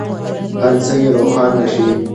هر څه یې روښانه شي.